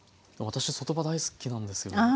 私外葉大好きなんですよ。